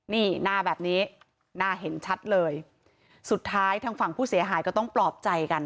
นี่หน้าแบบนี้หน้าเห็นชัดเลยสุดท้ายทางฝั่งผู้เสียหายก็ต้องปลอบใจกัน